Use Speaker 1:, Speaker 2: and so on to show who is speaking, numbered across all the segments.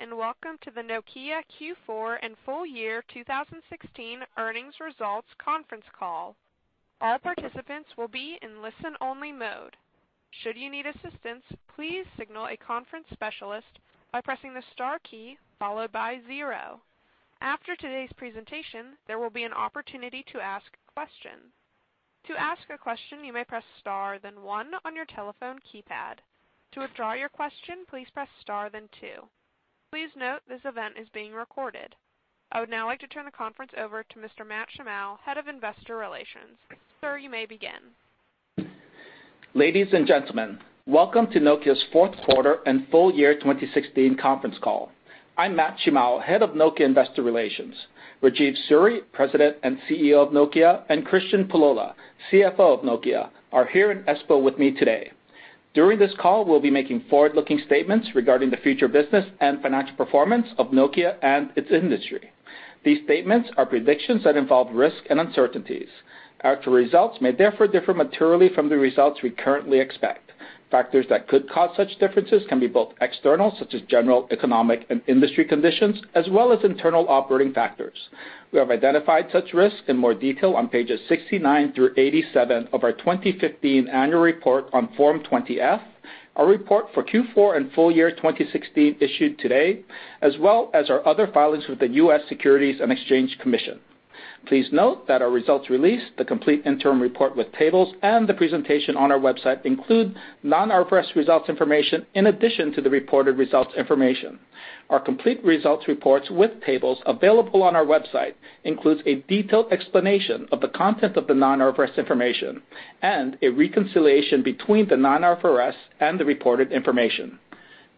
Speaker 1: Hello. Welcome to the Nokia Q4 and full year 2016 earnings results conference call. All participants will be in listen-only mode. Should you need assistance, please signal a conference specialist by pressing the star key followed by zero. After today's presentation, there will be an opportunity to ask a question. To ask a question, you may press star, then one on your telephone keypad. To withdraw your question, please press star then two. Please note this event is being recorded. I would now like to turn the conference over to Mr. Matt Shimao, Head of Investor Relations. Sir, you may begin.
Speaker 2: Ladies and gentlemen, welcome to Nokia's fourth quarter and full year 2016 conference call. I'm Matt Shimao, Head of Nokia Investor Relations. Rajeev Suri, President and CEO of Nokia, and Kristian Pullola, CFO of Nokia, are here in Espoo with me today. During this call, we'll be making forward-looking statements regarding the future business and financial performance of Nokia and its industry. These statements are predictions that involve risk and uncertainties. Actual results may therefore differ materially from the results we currently expect. Factors that could cause such differences can be both external, such as general economic and industry conditions, as well as internal operating factors. We have identified such risks in more detail on pages 69 through 87 of our 2015 annual report on Form 20-F, our report for Q4 and full year 2016 issued today, as well as our other filings with the U.S. Securities and Exchange Commission. Please note that our results release, the complete interim report with tables, and the presentation on our website include non-IFRS results information in addition to the reported results information. Our complete results reports with tables available on our website includes a detailed explanation of the content of the non-IFRS information and a reconciliation between the non-IFRS and the reported information.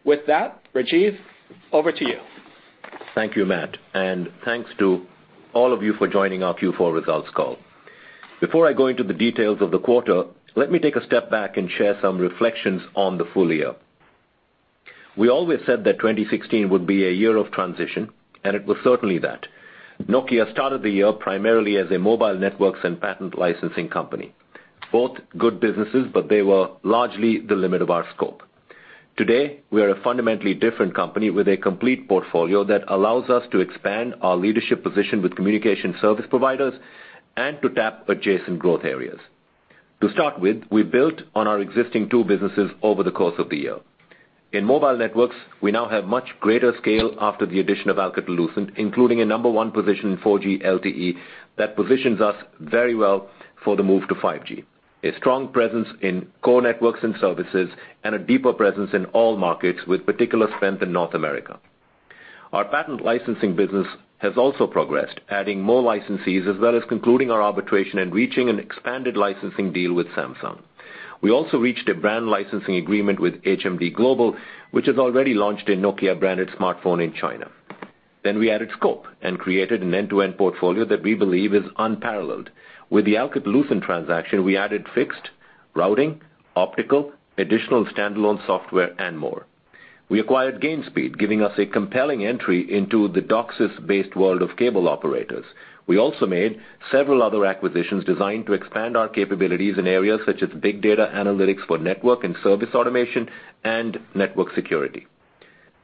Speaker 2: With that, Rajeev, over to you.
Speaker 3: Thank you, Matt. Thanks to all of you for joining our Q4 results call. Before I go into the details of the quarter, let me take a step back and share some reflections on the full year. We always said that 2016 would be a year of transition, and it was certainly that. Nokia started the year primarily as a Mobile Networks and patent licensing company. Both good businesses, but they were largely the limit of our scope. Today, we are a fundamentally different company with a complete portfolio that allows us to expand our leadership position with communication service providers and to tap adjacent growth areas. To start with, we built on our existing two businesses over the course of the year. In Mobile Networks, we now have much greater scale after the addition of Alcatel-Lucent, including a number one position in 4G LTE that positions us very well for the move to 5G, a strong presence in core networks and services, and a deeper presence in all markets with particular strength in North America. Our patent licensing business has also progressed, adding more licensees as well as concluding our arbitration and reaching an expanded licensing deal with Samsung. We also reached a brand licensing agreement with HMD Global, which has already launched a Nokia branded smartphone in China. We added scope and created an end-to-end portfolio that we believe is unparalleled. With the Alcatel-Lucent transaction, we added fixed, routing, optical, additional standalone software, and more. We acquired Gainspeed, giving us a compelling entry into the DOCSIS-based world of cable operators. We also made several other acquisitions designed to expand our capabilities in areas such as big data analytics for network and service automation and network security.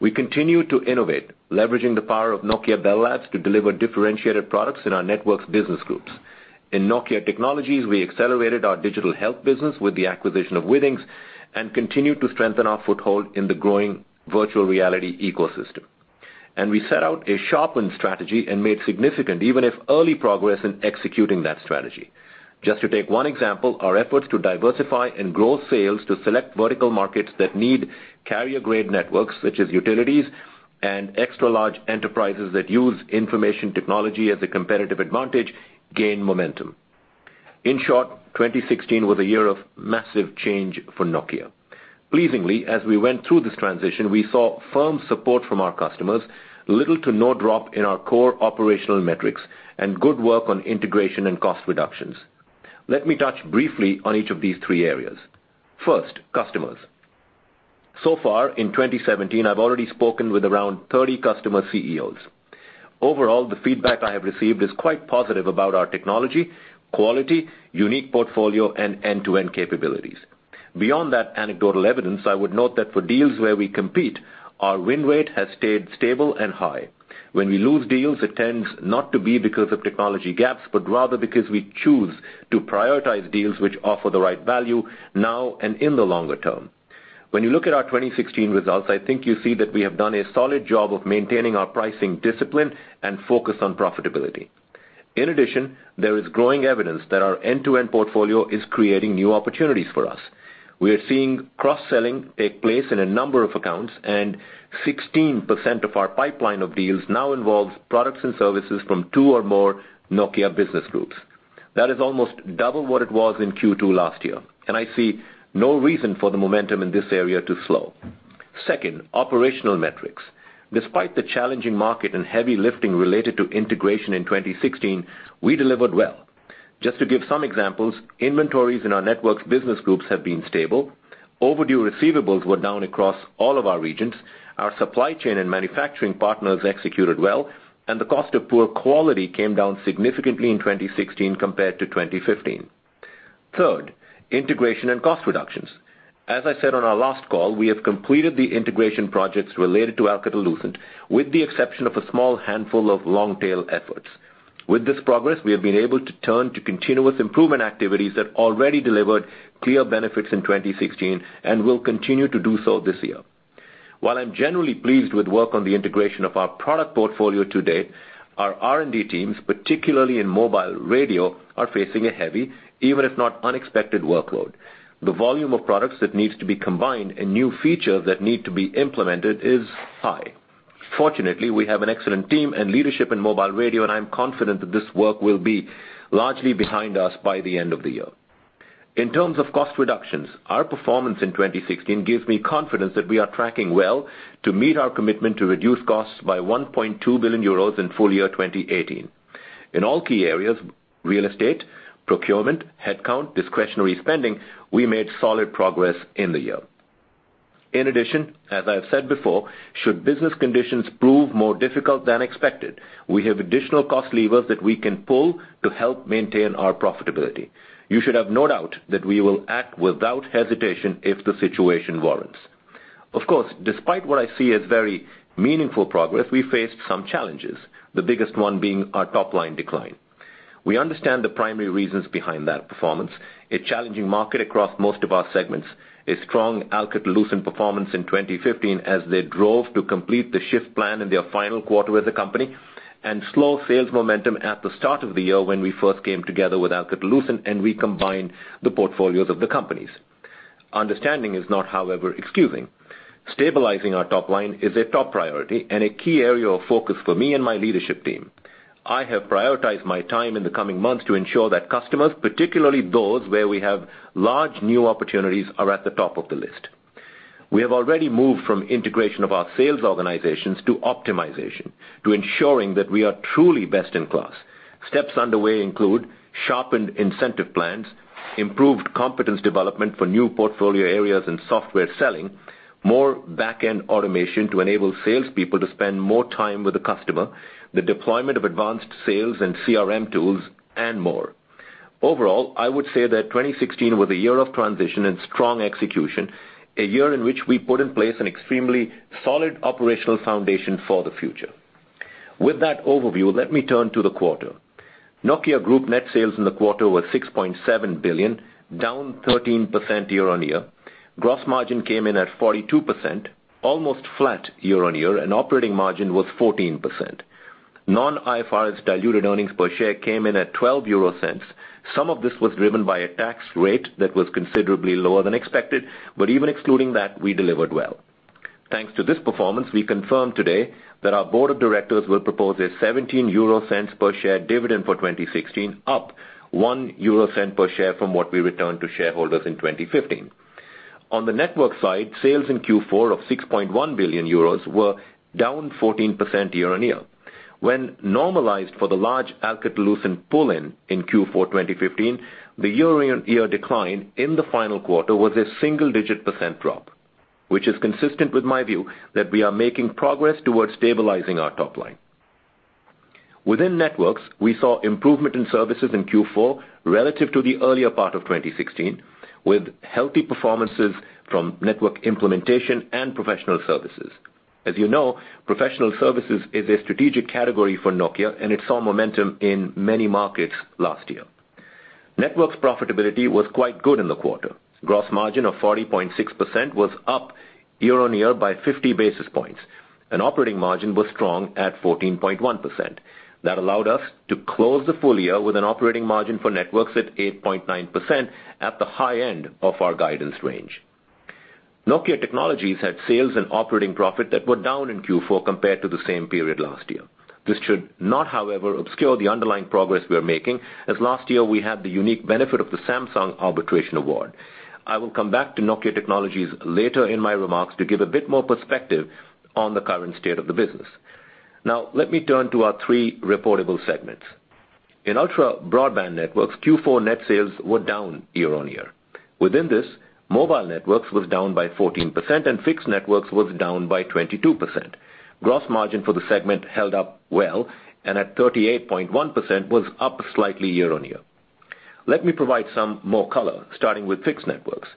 Speaker 3: We continue to innovate, leveraging the power of Nokia Bell Labs to deliver differentiated products in our networks business groups. In Nokia Technologies, we accelerated our digital health business with the acquisition of Withings and continued to strengthen our foothold in the growing virtual reality ecosystem. We set out a sharpened strategy and made significant, even if early progress in executing that strategy. Just to take one example, our efforts to diversify and grow sales to select vertical markets that need carrier-grade networks, such as utilities and extra large enterprises that use information technology as a competitive advantage, gain momentum. In short, 2016 was a year of massive change for Nokia. Pleasingly, as we went through this transition, we saw firm support from our customers, little to no drop in our core operational metrics, and good work on integration and cost reductions. Let me touch briefly on each of these three areas. First, customers. So far in 2017, I have already spoken with around 30 customer CEOs. Overall, the feedback I have received is quite positive about our technology, quality, unique portfolio, and end-to-end capabilities. Beyond that anecdotal evidence, I would note that for deals where we compete, our win rate has stayed stable and high. When we lose deals, it tends not to be because of technology gaps, but rather because we choose to prioritize deals which offer the right value now and in the longer term. When you look at our 2016 results, I think you see that we have done a solid job of maintaining our pricing discipline and focus on profitability. In addition, there is growing evidence that our end-to-end portfolio is creating new opportunities for us. We are seeing cross-selling take place in a number of accounts, and 16% of our pipeline of deals now involves products and services from two or more Nokia business groups. That is almost double what it was in Q2 last year, and I see no reason for the momentum in this area to slow. Second, operational metrics. Despite the challenging market and heavy lifting related to integration in 2016, we delivered well. Just to give some examples, inventories in our networks business groups have been stable. Overdue receivables were down across all of our regions. Our supply chain and manufacturing partners executed well. The cost of poor quality came down significantly in 2016 compared to 2015. Third, integration and cost reductions. As I said on our last call, we have completed the integration projects related to Alcatel-Lucent, with the exception of a small handful of long-tail efforts. With this progress, we have been able to turn to continuous improvement activities that already delivered clear benefits in 2016 and will continue to do so this year. While I'm generally pleased with work on the integration of our product portfolio today, our R&D teams, particularly in mobile radio, are facing a heavy, even if not unexpected workload. The volume of products that needs to be combined and new features that need to be implemented is high. Fortunately, we have an excellent team and leadership in mobile radio. I'm confident that this work will be largely behind us by the end of the year. In terms of cost reductions, our performance in 2016 gives me confidence that we are tracking well to meet our commitment to reduce costs by 1.2 billion euros in full year 2018. In all key areas, real estate, procurement, headcount, discretionary spending, we made solid progress in the year. In addition, as I have said before, should business conditions prove more difficult than expected, we have additional cost levers that we can pull to help maintain our profitability. You should have no doubt that we will act without hesitation if the situation warrants. Of course, despite what I see as very meaningful progress, we faced some challenges, the biggest one being our top-line decline. We understand the primary reasons behind that performance. A challenging market across most of our segments, a strong Alcatel-Lucent performance in 2015 as they drove to complete the Shift Plan in their final quarter as a company, and slow sales momentum at the start of the year when we first came together with Alcatel-Lucent and recombined the portfolios of the companies. Understanding is not, however, excusing. Stabilizing our top line is a top priority and a key area of focus for me and my leadership team. I have prioritized my time in the coming months to ensure that customers, particularly those where we have large new opportunities, are at the top of the list. We have already moved from integration of our sales organizations to optimization, to ensuring that we are truly best in class. Steps underway include sharpened incentive plans, improved competence development for new portfolio areas and software selling, more back-end automation to enable salespeople to spend more time with the customer, the deployment of advanced sales and CRM tools, and more. Overall, I would say that 2016 was a year of transition and strong execution, a year in which we put in place an extremely solid operational foundation for the future. With that overview, let me turn to the quarter. Nokia Group net sales in the quarter were 6.7 billion, down 13% year-on-year. Gross margin came in at 42%, almost flat year-on-year, and operating margin was 14%. Non-IFRS diluted earnings per share came in at 0.12. Some of this was driven by a tax rate that was considerably lower than expected, but even excluding that, we delivered well. Thanks to this performance, we confirm today that our board of directors will propose a 0.17 per share dividend for 2016, up 0.01 per share from what we returned to shareholders in 2015. On the network side, sales in Q4 of 6.1 billion euros were down 14% year-on-year. When normalized for the large Alcatel-Lucent pull-in in Q4 2015, the year-on-year decline in the final quarter was a single-digit percent drop, which is consistent with my view that we are making progress towards stabilizing our top line. Within networks, we saw improvement in services in Q4 relative to the earlier part of 2016, with healthy performances from network implementation and professional services. As you know, professional services is a strategic category for Nokia. It saw momentum in many markets last year. Networks profitability was quite good in the quarter. Gross margin of 40.6% was up year-on-year by 50 basis points. Operating margin was strong at 14.1%. That allowed us to close the full year with an operating margin for networks at 8.9% at the high end of our guidance range. Nokia Technologies had sales and operating profit that were down in Q4 compared to the same period last year. This should not, however, obscure the underlying progress we are making, as last year we had the unique benefit of the Samsung arbitration award. I will come back to Nokia Technologies later in my remarks to give a bit more perspective on the current state of the business. Let me turn to our three reportable segments. In ultra broadband networks, Q4 net sales were down year-on-year. Within this, Mobile Networks was down by 14% and Fixed Networks was down by 22%. Gross margin for the segment held up well. At 38.1% was up slightly year-on-year. Let me provide some more color, starting with Fixed Networks.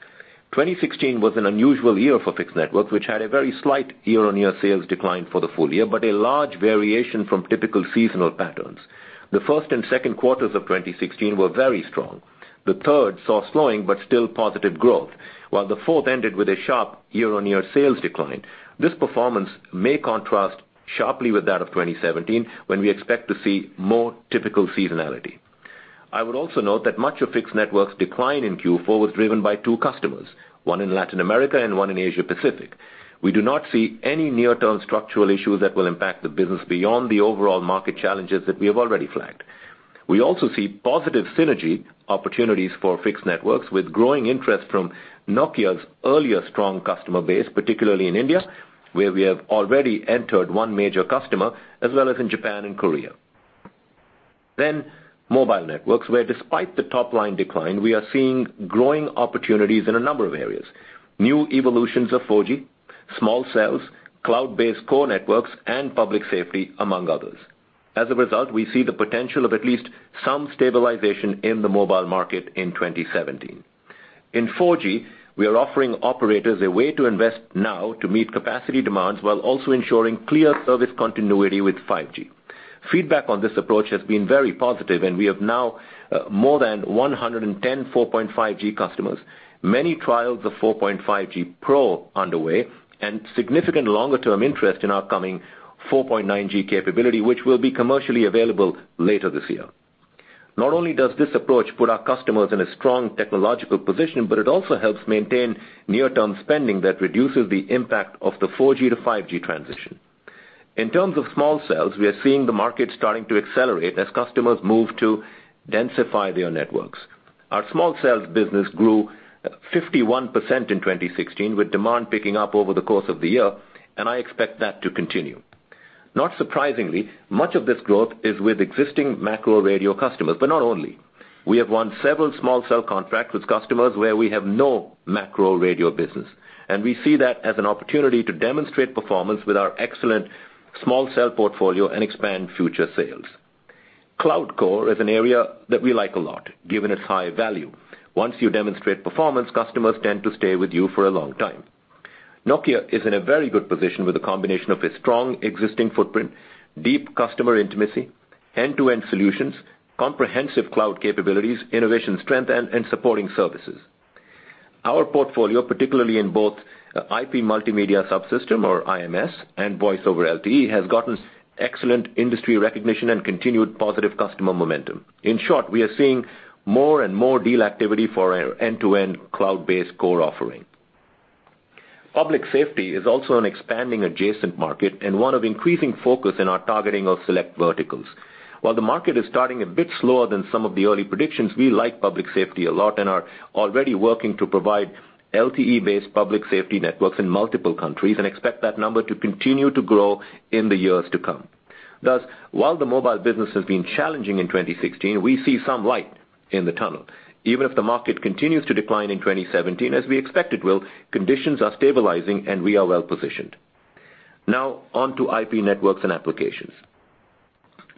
Speaker 3: 2016 was an unusual year for Fixed Networks, which had a very slight year-on-year sales decline for the full year, but a large variation from typical seasonal patterns. The first and second quarters of 2016 were very strong. The third saw slowing but still positive growth, while the fourth ended with a sharp year-on-year sales decline. This performance may contrast sharply with that of 2017 when we expect to see more typical seasonality. I would also note that much of Fixed Networks decline in Q4 was driven by two customers, one in Latin America and one in Asia Pacific. We do not see any near-term structural issues that will impact the business beyond the overall market challenges that we have already flagged. We also see positive synergy opportunities for Fixed Networks with growing interest from Nokia's earlier strong customer base, particularly in India, where we have already entered one major customer, as well as in Japan and Korea. Mobile Networks, where despite the top-line decline, we are seeing growing opportunities in a number of areas. New evolutions of 4G Small cells, cloud-based core networks, and public safety, among others. As a result, we see the potential of at least some stabilization in the mobile market in 2017. In 4G, we are offering operators a way to invest now to meet capacity demands while also ensuring clear service continuity with 5G. Feedback on this approach has been very positive. We have now more than 110 4.5G customers, many trials of 4.5G Pro underway, and significant longer-term interest in our coming 4.9G capability, which will be commercially available later this year. Not only does this approach put our customers in a strong technological position, but it also helps maintain near-term spending that reduces the impact of the 4G to 5G transition. In terms of small cells, we are seeing the market starting to accelerate as customers move to densify their networks. Our small cells business grew 51% in 2016, with demand picking up over the course of the year, and I expect that to continue. Not surprisingly, much of this growth is with existing macro radio customers, but not only. We have won several small cell contracts with customers where we have no macro radio business, and we see that as an opportunity to demonstrate performance with our excellent small cell portfolio and expand future sales. Cloud Core is an area that we like a lot, given its high value. Once you demonstrate performance, customers tend to stay with you for a long time. Nokia is in a very good position with a combination of a strong existing footprint, deep customer intimacy, end-to-end solutions, comprehensive cloud capabilities, innovation strength, and supporting services. Our portfolio, particularly in both IP Multimedia Subsystem, or IMS, and Voice over LTE, has gotten excellent industry recognition and continued positive customer momentum. In short, we are seeing more and more deal activity for our end-to-end cloud-based core offering. Public safety is also an expanding adjacent market and one of increasing focus in our targeting of select verticals. While the market is starting a bit slower than some of the early predictions, we like public safety a lot and are already working to provide LTE-based public safety networks in multiple countries and expect that number to continue to grow in the years to come. While the mobile business has been challenging in 2016, we see some light in the tunnel. Even if the market continues to decline in 2017, as we expect it will, conditions are stabilizing, and we are well-positioned. Now on to IP networks and Applications.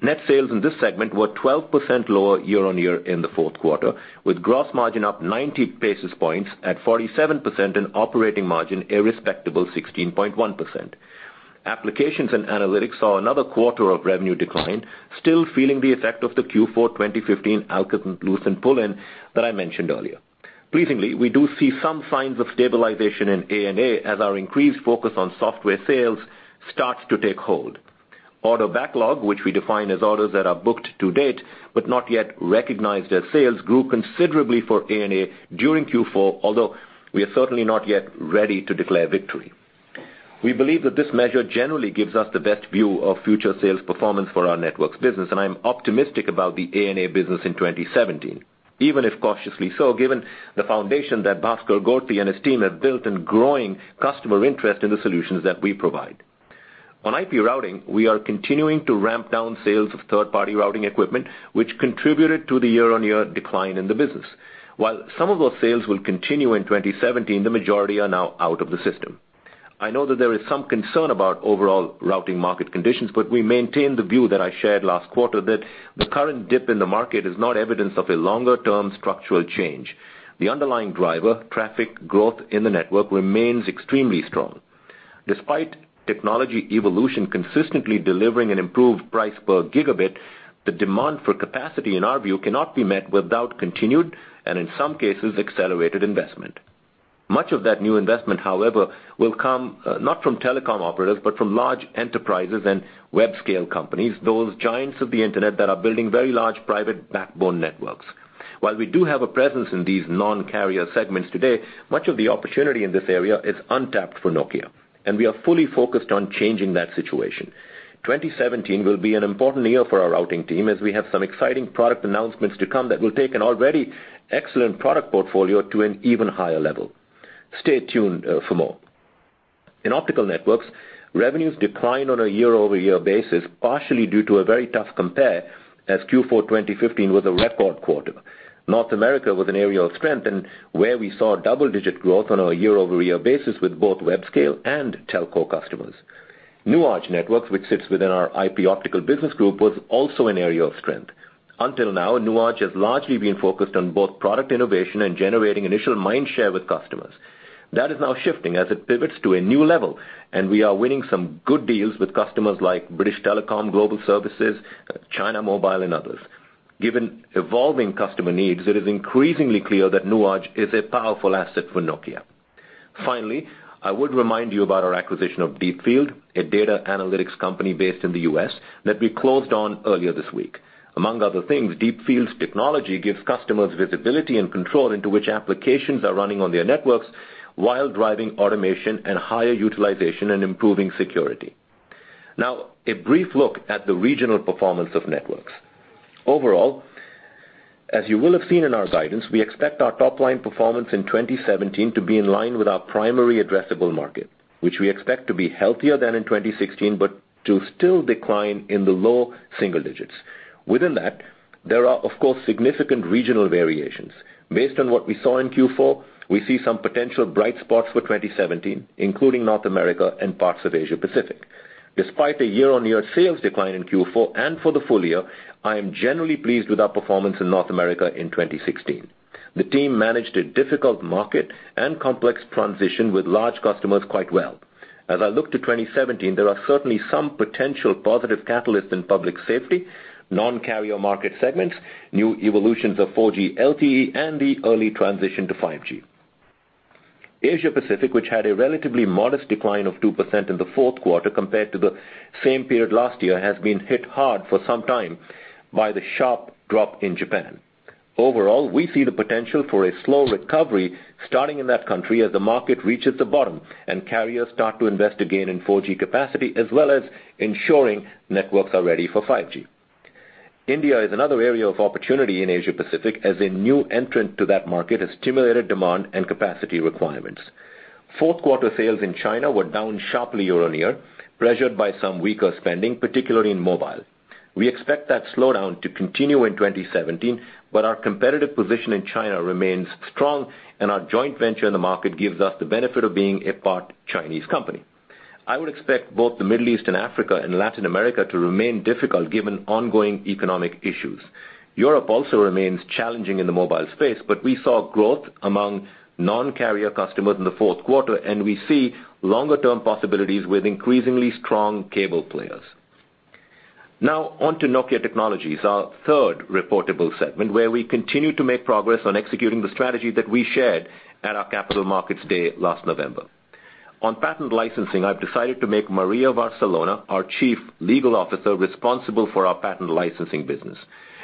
Speaker 3: Net sales in this segment were 12% lower year-on-year in the fourth quarter, with gross margin up 90 basis points at 47% and operating margin a respectable 16.1%. Applications and Analytics saw another quarter of revenue decline, still feeling the effect of the Q4 2015 Alcatel-Lucent pull-in that I mentioned earlier. Pleasingly, we do see some signs of stabilization in ANA as our increased focus on software sales starts to take hold. Order backlog, which we define as orders that are booked to date but not yet recognized as sales, grew considerably for ANA during Q4, although we are certainly not yet ready to declare victory. We believe that this measure generally gives us the best view of future sales performance for our networks business, and I'm optimistic about the ANA business in 2017, even if cautiously so, given the foundation that Bhaskar Gorti and his team have built in growing customer interest in the solutions that we provide. On IP routing, we are continuing to ramp down sales of third-party routing equipment, which contributed to the year-on-year decline in the business. While some of those sales will continue in 2017, the majority are now out of the system. I know that there is some concern about overall routing market conditions. We maintain the view that I shared last quarter that the current dip in the market is not evidence of a longer-term structural change. The underlying driver, traffic growth in the network, remains extremely strong. Despite technology evolution consistently delivering an improved price per gigabit, the demand for capacity, in our view, cannot be met without continued, and in some cases, accelerated investment. Much of that new investment, however, will come not from telecom operators, but from large enterprises and web scale companies, those giants of the internet that are building very large private backbone networks. While we do have a presence in these non-carrier segments today, much of the opportunity in this area is untapped for Nokia, and we are fully focused on changing that situation. 2017 will be an important year for our routing team, as we have some exciting product announcements to come that will take an already excellent product portfolio to an even higher level. Stay tuned for more. In optical networks, revenues declined on a year-over-year basis, partially due to a very tough compare, as Q4 2015 was a record quarter. North America was an area of strength and where we saw double-digit growth on a year-over-year basis with both web scale and telco customers. Nuage Networks, which sits within our IP optical business group, was also an area of strength. Until now, Nuage has largely been focused on both product innovation and generating initial mind share with customers. That is now shifting as it pivots to a new level, and we are winning some good deals with customers like British Telecom Global Services, China Mobile, and others. Given evolving customer needs, it is increasingly clear that Nuage is a powerful asset for Nokia. Finally, I would remind you about our acquisition of Deepfield, a data analytics company based in the U.S., that we closed on earlier this week. Among other things, Deepfield's technology gives customers visibility and control into which applications are running on their networks while driving automation and higher utilization and improving security. Now, a brief look at the regional performance of networks. Overall. As you will have seen in our guidance, we expect our top-line performance in 2017 to be in line with our primary addressable market, which we expect to be healthier than in 2016, but to still decline in the low single digits. Within that, there are, of course, significant regional variations. Based on what we saw in Q4, we see some potential bright spots for 2017, including North America and parts of Asia Pacific. Despite a year-on-year sales decline in Q4 and for the full year, I am generally pleased with our performance in North America in 2016. The team managed a difficult market and complex transition with large customers quite well. As I look to 2017, there are certainly some potential positive catalysts in public safety, non-carrier market segments, new evolutions of 4G LTE, and the early transition to 5G. Asia Pacific, which had a relatively modest decline of 2% in the fourth quarter compared to the same period last year, has been hit hard for some time by the sharp drop in Japan. Overall, we see the potential for a slow recovery starting in that country as the market reaches the bottom and carriers start to invest again in 4G capacity, as well as ensuring networks are ready for 5G. India is another area of opportunity in Asia Pacific, as a new entrant to that market has stimulated demand and capacity requirements. Fourth quarter sales in China were down sharply year-on-year, pressured by some weaker spending, particularly in mobile. Our competitive position in China remains strong, and our joint venture in the market gives us the benefit of being a part Chinese company. I would expect both the Middle East and Africa and Latin America to remain difficult given ongoing economic issues. Europe also remains challenging in the mobile space, but we saw growth among non-carrier customers in the fourth quarter, and we see longer-term possibilities with increasingly strong cable players. Now on to Nokia Technologies, our third reportable segment, where we continue to make progress on executing the strategy that we shared at our Capital Markets Day last November. On patent licensing, I've decided to make Maria Varsellona, our Chief Legal Officer, responsible for our patent licensing business.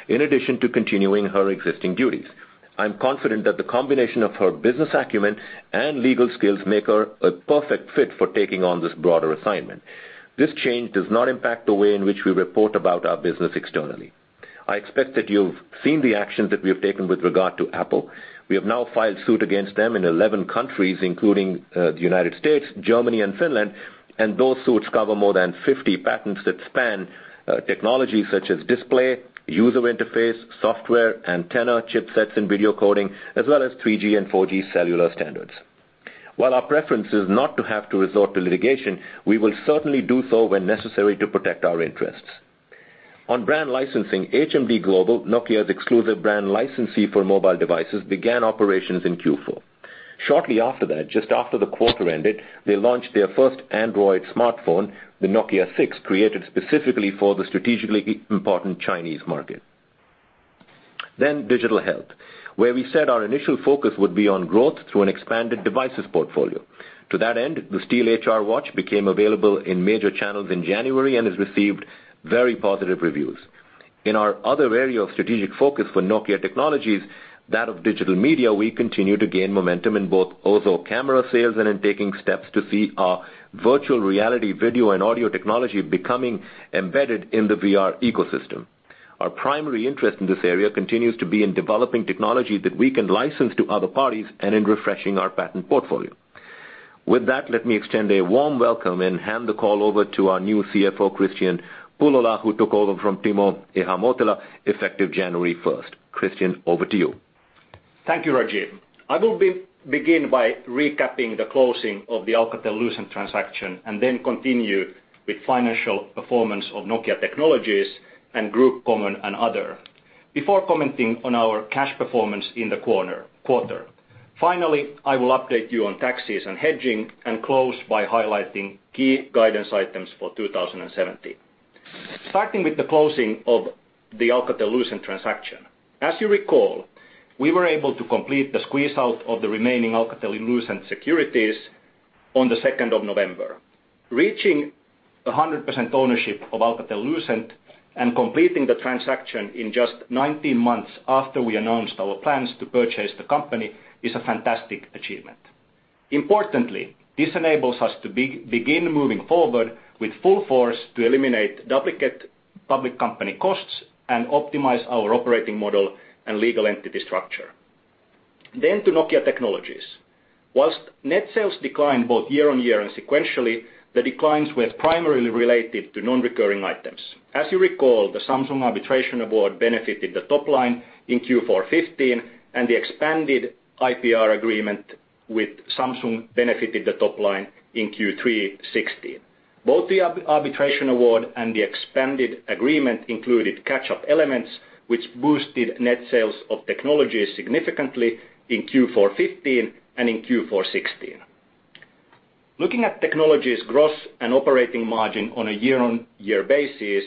Speaker 3: In addition to continuing her existing duties. I'm confident that the combination of her business acumen and legal skills make her a perfect fit for taking on this broader assignment. This change does not impact the way in which we report about our business externally. I expect that you've seen the actions that we have taken with regard to Apple. We have now filed suit against them in 11 countries, including the U.S., Germany, and Finland. Those suits cover more than 50 patents that span technologies such as display, user interface, software, antenna, chipsets, and video coding, as well as 3G and 4G cellular standards. While our preference is not to have to resort to litigation, we will certainly do so when necessary to protect our interests. On brand licensing, HMD Global, Nokia's exclusive brand licensee for mobile devices, began operations in Q4. Shortly after that, just after the quarter ended, they launched their first Android smartphone, the Nokia 6, created specifically for the strategically important Chinese market. Digital Health, where we said our initial focus would be on growth through an expanded devices portfolio. To that end, the Steel HR watch became available in major channels in January and has received very positive reviews. In our other area of strategic focus for Nokia Technologies, that of digital media, we continue to gain momentum in both OZO camera sales and in taking steps to see our virtual reality video and audio technology becoming embedded in the VR ecosystem. Our primary interest in this area continues to be in developing technology that we can license to other parties and in refreshing our patent portfolio. With that, let me extend a warm welcome and hand the call over to our new CFO, Kristian Pullola, who took over from Timo Ihamuotila effective January 1st. Kristian, over to you.
Speaker 4: Thank you, Rajeev. I will begin by recapping the closing of the Alcatel-Lucent transaction and continue with financial performance of Nokia Technologies and Group Common and Other before commenting on our cash performance in the quarter. Finally, I will update you on taxes and hedging and close by highlighting key guidance items for 2017. Starting with the closing of the Alcatel-Lucent transaction. As you recall, we were able to complete the squeeze-out of the remaining Alcatel-Lucent securities on the 2nd of November. Reaching 100% ownership of Alcatel-Lucent and completing the transaction in just 19 months after we announced our plans to purchase the company is a fantastic achievement. Importantly, this enables us to begin moving forward with full force to eliminate duplicate public company costs and optimize our operating model and legal entity structure. To Nokia Technologies. Whilst net sales declined both year-on-year and sequentially, the declines were primarily related to non-recurring items. As you recall, the Samsung arbitration award benefited the top line in Q4 2015, and the expanded IPR agreement with Samsung benefited the top line in Q3 2016. Both the arbitration award and the expanded agreement included catch-up elements which boosted net sales of Technologies significantly in Q4 2015 and in Q4 2016. Looking at Technologies gross and operating margin on a year-on-year basis,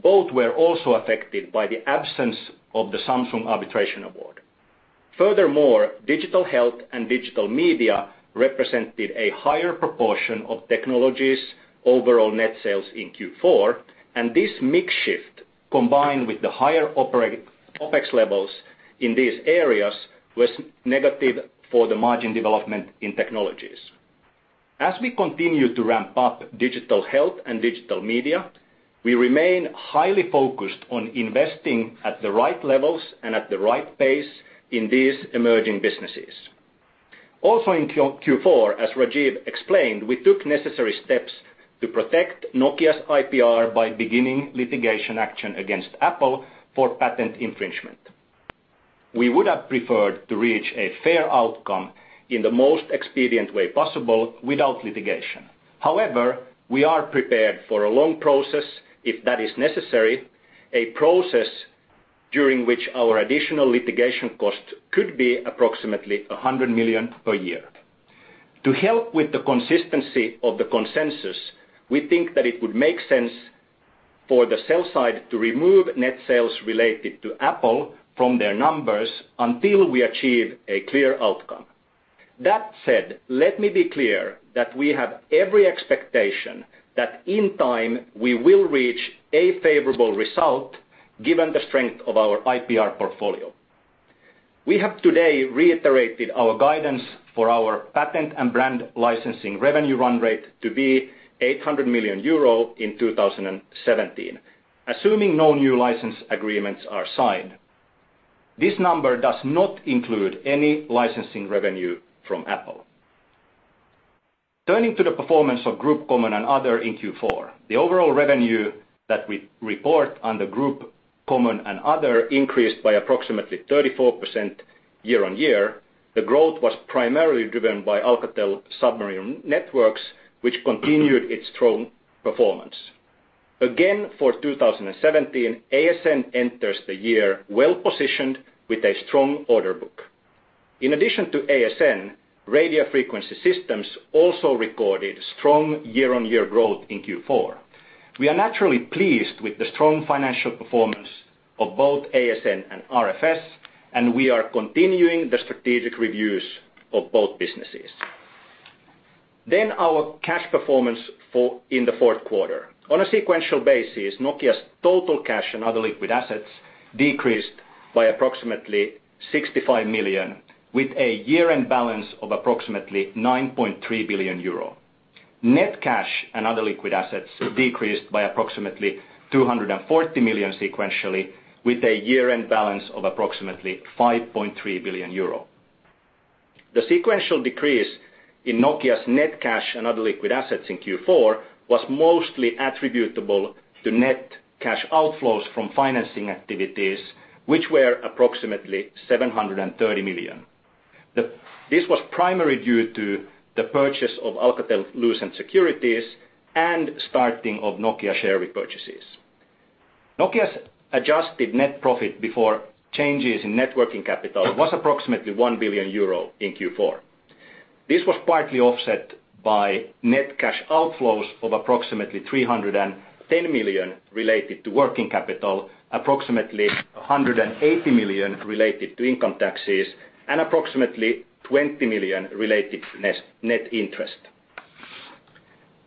Speaker 4: both were also affected by the absence of the Samsung arbitration award. Furthermore, Digital Health and Digital Media represented a higher proportion of Technologies' overall net sales in Q4, and this mix shift, combined with the higher OpEx levels in these areas, was negative for the margin development in Technologies. As we continue to ramp up Digital Health and Digital Media, we remain highly focused on investing at the right levels and at the right pace in these emerging businesses. Also in Q4, as Rajeev explained, we took necessary steps to protect Nokia's IPR by beginning litigation action against Apple for patent infringement. We would have preferred to reach a fair outcome in the most expedient way possible without litigation. However, we are prepared for a long process if that is necessary, a process during which our additional litigation cost could be approximately 100 million per year. To help with the consistency of the consensus, we think that it would make sense for the sell side to remove net sales related to Apple from their numbers until we achieve a clear outcome. That said, let me be clear that we have every expectation that in time we will reach a favorable result given the strength of our IPR portfolio. We have today reiterated our guidance for our patent and brand licensing revenue run rate to be 800 million euro in 2017, assuming no new license agreements are signed. This number does not include any licensing revenue from Apple. Turning to the performance of Group Common and Other in Q4. The overall revenue that we report under Group Common and Other increased by approximately 34% year-on-year. The growth was primarily driven by Alcatel Submarine Networks, which continued its strong performance. Again, for 2017, ASN enters the year well-positioned with a strong order book. In addition to ASN, Radio Frequency Systems also recorded strong year-on-year growth in Q4. We are naturally pleased with the strong financial performance of both ASN and RFS, and we are continuing the strategic reviews of both businesses. Our cash performance in the fourth quarter. On a sequential basis, Nokia's total cash and other liquid assets decreased by approximately 65 million, with a year-end balance of approximately 9.3 billion euro. Net cash and other liquid assets decreased by approximately 240 million sequentially, with a year-end balance of approximately 5.3 billion euro. The sequential decrease in Nokia's net cash and other liquid assets in Q4 was mostly attributable to net cash outflows from financing activities, which were approximately 730 million. This was primarily due to the purchase of Alcatel-Lucent Securities and starting of Nokia share repurchases. Nokia's adjusted net profit before changes in net working capital was approximately 1 billion euro in Q4. This was partly offset by net cash outflows of approximately 310 million related to working capital, approximately 180 million related to income taxes, and approximately 20 million related to net interest.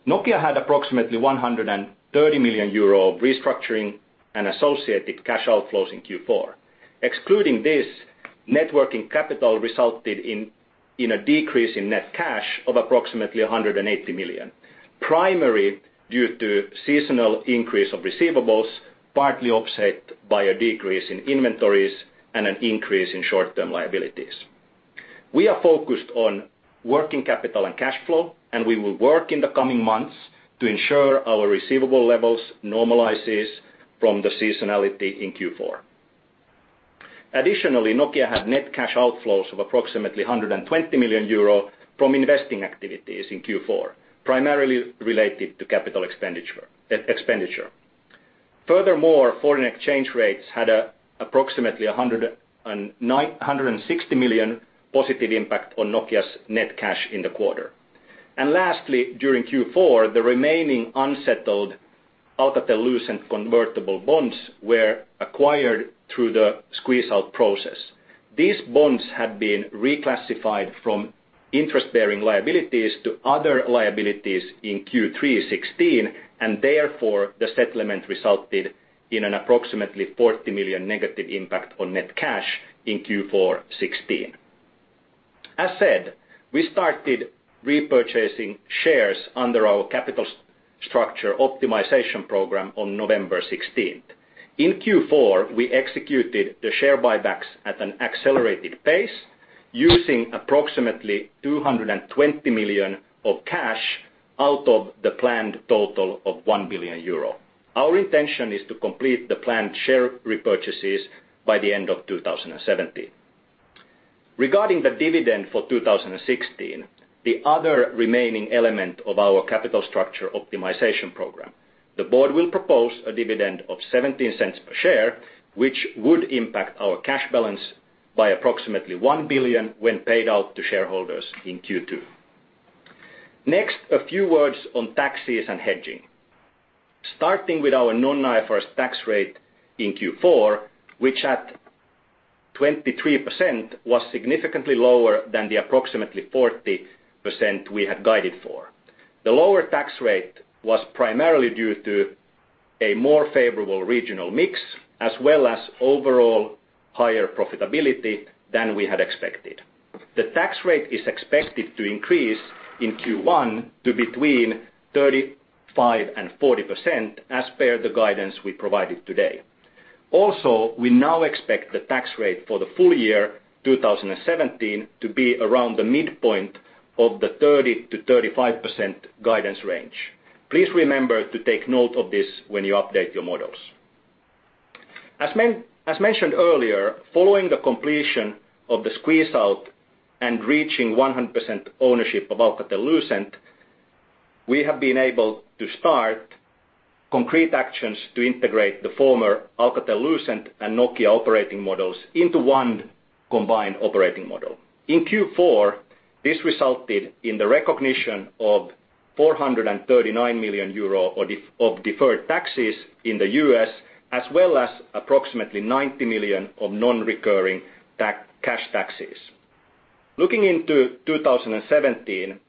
Speaker 4: Nokia had approximately 130 million euro of restructuring and associated cash outflows in Q4. Excluding this, net working capital resulted in a decrease in net cash of approximately 180 million, primarily due to seasonal increase of receivables, partly offset by a decrease in inventories and an increase in short-term liabilities. We are focused on working capital and cash flow, and we will work in the coming months to ensure our receivable levels normalize from the seasonality in Q4. Additionally, Nokia had net cash outflows of approximately 120 million euro from investing activities in Q4, primarily related to capital expenditure. Furthermore, foreign exchange rates had approximately 160 million positive impact on Nokia's net cash in the quarter. Lastly, during Q4, the remaining unsettled Alcatel-Lucent convertible bonds were acquired through the squeeze-out process. These bonds had been reclassified from interest-bearing liabilities to other liabilities in Q3 2016, and therefore, the settlement resulted in an approximately 40 million negative impact on net cash in Q4 2016. As said, we started repurchasing shares under our capital structure optimization program on November 16th. In Q4, we executed the share buybacks at an accelerated pace using approximately 220 million of cash out of the planned total of 1 billion euro. Our intention is to complete the planned share repurchases by the end of 2017. Regarding the dividend for 2016, the other remaining element of our capital structure optimization program. The board will propose a dividend of 0.17 per share, which would impact our cash balance by approximately 1 billion when paid out to shareholders in Q2. A few words on taxes and hedging. Starting with our non-IFRS tax rate in Q4, which at 23% was significantly lower than the approximately 40% we had guided for. The lower tax rate was primarily due to a more favorable regional mix, as well as overall higher profitability than we had expected. The tax rate is expected to increase in Q1 to between 35%-40%, as per the guidance we provided today. Also, we now expect the tax rate for the full year 2017 to be around the midpoint of the 30%-35% guidance range. Please remember to take note of this when you update your models. As mentioned earlier, following the completion of the squeeze out and reaching 100% ownership of Alcatel-Lucent, we have been able to start concrete actions to integrate the former Alcatel-Lucent and Nokia operating models into one combined operating model. In Q4, this resulted in the recognition of 439 million euro of deferred taxes in the U.S., as well as approximately 90 million of non-recurring cash taxes. Looking into 2017,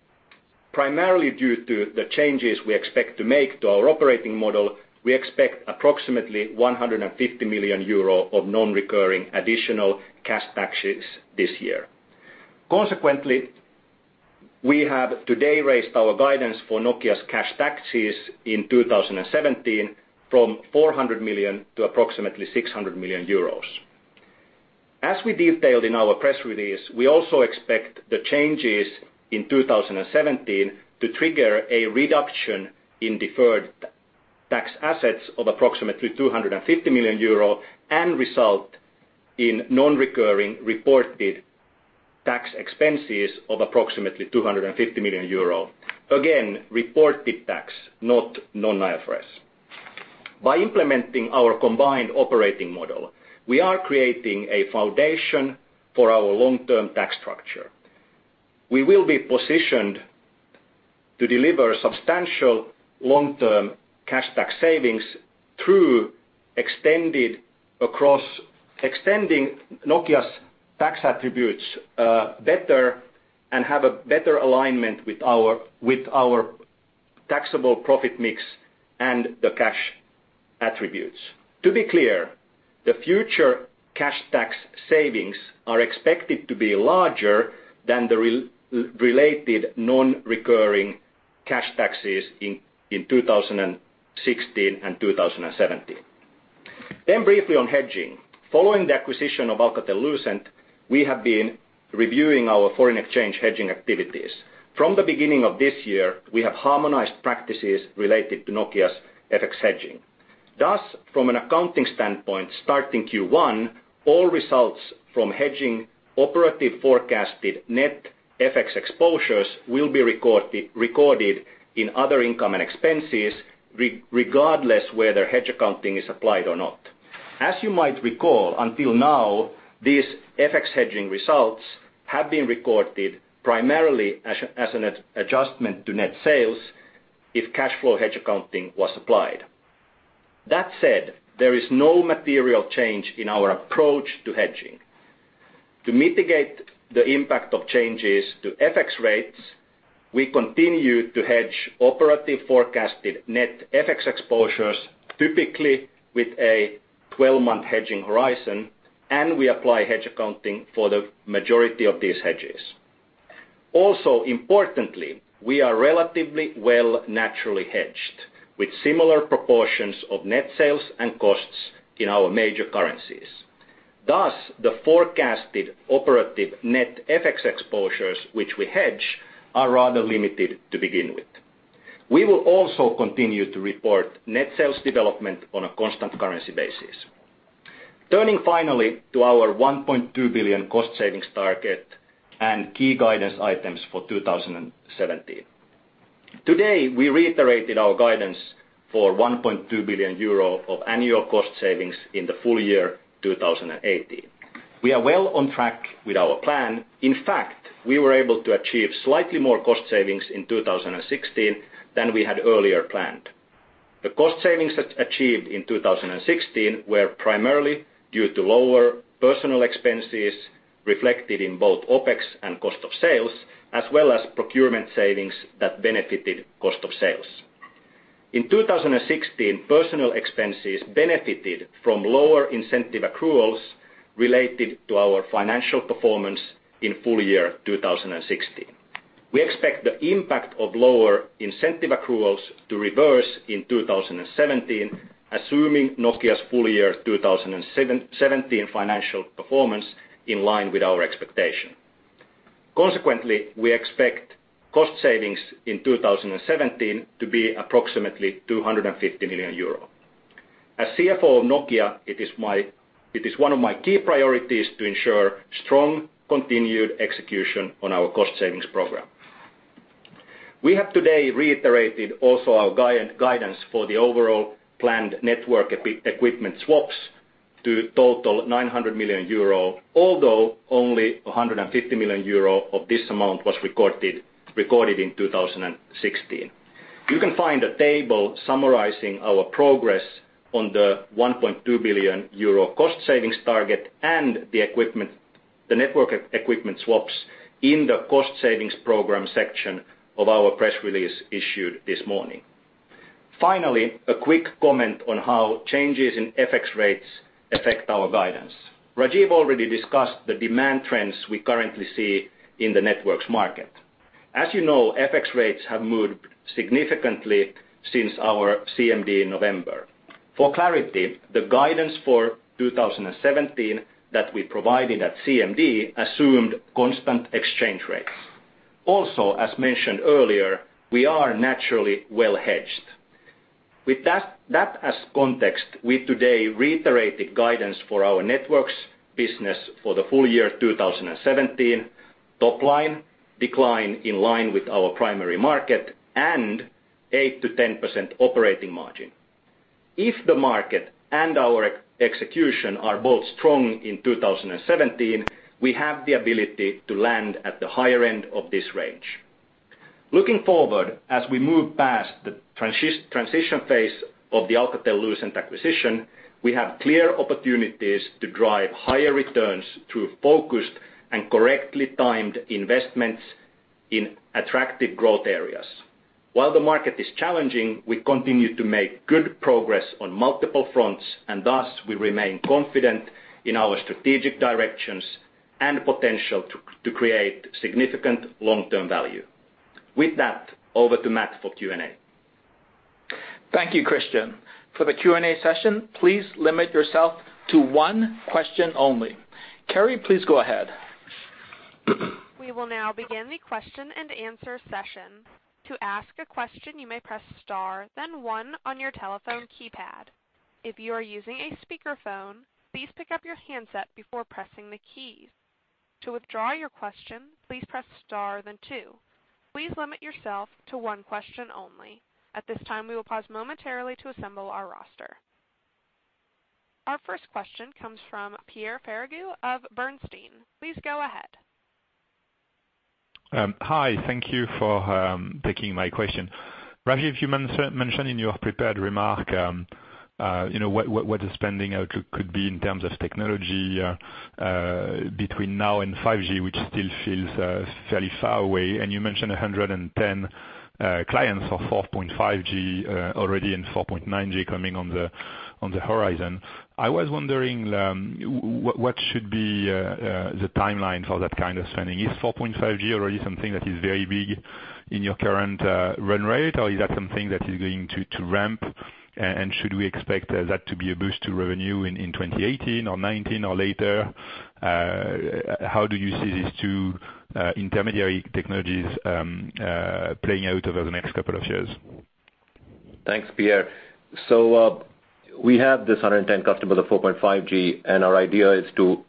Speaker 4: primarily due to the changes we expect to make to our operating model, we expect approximately 150 million euro of non-recurring additional cash taxes this year. Consequently, we have today raised our guidance for Nokia's cash taxes in 2017 from 400 million to approximately 600 million euros. As we detailed in our press release, we also expect the changes in 2017 to trigger a reduction in deferred tax assets of approximately 250 million euro, and result in non-recurring reported tax expenses of approximately 250 million euro. Again, reported tax, not non-IFRS. By implementing our combined operating model, we are creating a foundation for our long-term tax structure. We will be positioned to deliver substantial long-term cash tax savings through extending Nokia's tax attributes better and have a better alignment with our taxable profit mix and the cash attributes. Briefly on hedging. Following the acquisition of Alcatel-Lucent, we have been reviewing our foreign exchange hedging activities. From the beginning of this year, we have harmonized practices related to Nokia's FX hedging. Thus, from an accounting standpoint, starting Q1, all results from hedging operative forecasted net FX exposures will be recorded in other income and expenses, regardless whether hedge accounting is applied or not. As you might recall, until now, these FX hedging results have been recorded primarily as an adjustment to net sales if cash flow hedge accounting was applied. That said, there is no material change in our approach to hedging. To mitigate the impact of changes to FX rates, we continue to hedge operative forecasted net FX exposures, typically with a 12-month hedging horizon, and we apply hedge accounting for the majority of these hedges. Importantly, we are relatively well naturally hedged, with similar proportions of net sales and costs in our major currencies. Thus, the forecasted operative net FX exposures, which we hedge, are rather limited to begin with. We will also continue to report net sales development on a constant currency basis. Turning finally to our 1.2 billion cost savings target and key guidance items for 2017. Today, we reiterated our guidance for 1.2 billion euro of annual cost savings in the full year 2018. We are well on track with our plan. In fact, we were able to achieve slightly more cost savings in 2016 than we had earlier planned. The cost savings achieved in 2016 were primarily due to lower personnel expenses reflected in both OpEx and cost of sales, as well as procurement savings that benefited cost of sales. In 2016, personnel expenses benefited from lower incentive accruals related to our financial performance in full year 2016. We expect the impact of lower incentive accruals to reverse in 2017, assuming Nokia's full year 2017 financial performance in line with our expectation. Consequently, we expect cost savings in 2017 to be approximately 250 million euro. As CFO of Nokia, it is one of my key priorities to ensure strong continued execution on our cost savings program. We have today reiterated also our guidance for the overall planned network equipment swaps to total 900 million euro, although only 150 million euro of this amount was recorded in 2016. You can find a table summarizing our progress on the 1.2 billion euro cost savings target and the network equipment swaps in the cost savings program section of our press release issued this morning. Finally, a quick comment on how changes in FX rates affect our guidance. Rajeev already discussed the demand trends we currently see in the networks market. As you know, FX rates have moved significantly since our CMD in November. For clarity, the guidance for 2017 that we provided at CMD assumed constant exchange rates. Also, as mentioned earlier, we are naturally well-hedged. With that as context, we today reiterated guidance for our networks business for the full year 2017, top line decline in line with our primary market, and 8%-10% operating margin. If the market and our execution are both strong in 2017, we have the ability to land at the higher end of this range. Looking forward, as we move past the transition phase of the Alcatel-Lucent acquisition, we have clear opportunities to drive higher returns through focused and correctly timed investments in attractive growth areas. While the market is challenging, we continue to make good progress on multiple fronts, and thus we remain confident in our strategic directions and potential to create significant long-term value. With that, over to Matt for Q&A.
Speaker 2: Thank you, Kristian. For the Q&A session, please limit yourself to one question only. Carrie, please go ahead.
Speaker 1: We will now begin the question and answer session. To ask a question, you may press star then one on your telephone keypad. If you are using a speakerphone, please pick up your handset before pressing the keys. To withdraw your question, please press star then two. Please limit yourself to one question only. At this time, we will pause momentarily to assemble our roster. Our first question comes from Pierre Ferragu of Bernstein. Please go ahead.
Speaker 5: Hi. Thank you for taking my question. Rajeev, you mentioned in your prepared remark what the spending could be in terms of technology between now and 5G, which still feels fairly far away, and you mentioned 110 clients of 4.5G already and 4.9G coming on the horizon. I was wondering what should be the timeline for that kind of spending. Is 4.5G already something that is very big in your current run rate, or is that something that is going to ramp, and should we expect that to be a boost to revenue in 2018 or 2019 or later? How do you see these two intermediary technologies playing out over the next couple of years?
Speaker 3: Thanks, Pierre. We have this 110 customers of 4.5G, and our idea is to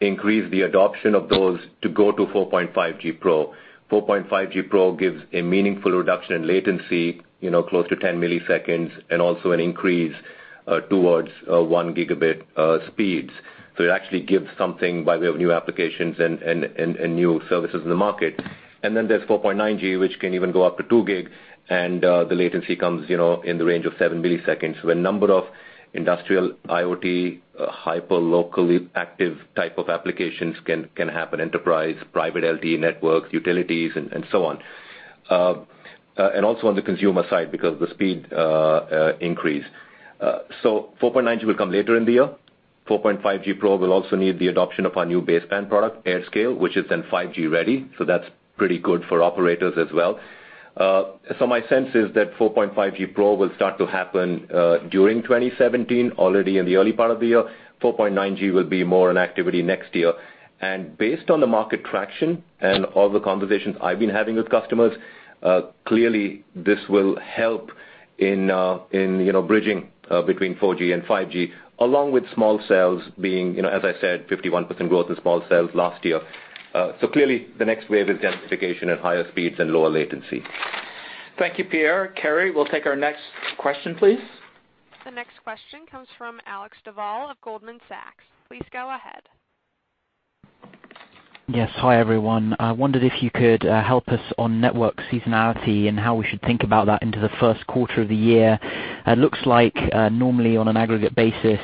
Speaker 3: increase the adoption of those to go to 4.5G Pro. 4.5G Pro gives a meaningful reduction in latency, close to 10 milliseconds, and also an increase towards one gigabit speeds. It actually gives something by way of new applications and new services in the market. There's 4.9G, which can even go up to two gigs, and the latency comes in the range of seven milliseconds, where a number of industrial IoT, hyper locally active type of applications can happen, enterprise, private LTE networks, utilities, and so on. Also on the consumer side because the speed increase. 4.9G will come later in the year. 4.5G Pro will also need the adoption of our new baseband product, AirScale, which is then 5G ready, that's pretty good for operators as well. My sense is that 4.5G Pro will start to happen during 2017, already in the early part of the year. 4.9G will be more in activity next year. Based on the market traction and all the conversations I've been having with customers, clearly this will help in bridging between 4G and 5G, along with small cells being, as I said, 51% growth in small cells last year. Clearly the next wave is densification at higher speeds and lower latency.
Speaker 2: Thank you, Pierre. Carrie, we'll take our next question, please.
Speaker 1: The next question comes from Alexander Duval of Goldman Sachs. Please go ahead.
Speaker 6: Yes, hi, everyone. I wondered if you could help us on network seasonality and how we should think about that into the first quarter of the year. It looks like normally on an aggregate basis